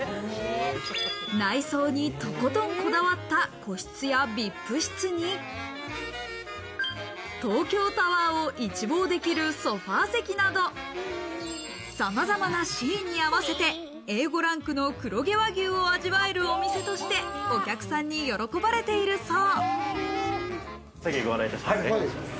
内装にとことんこだわった個室やＶＩＰ室に、東京タワーを一望できるソファ席など、さまざまなシーンに合わせてＡ５ランクの黒毛和牛を味わえるお店としてお客さんに喜ばれているそう。